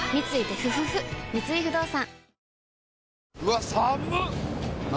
三井不動産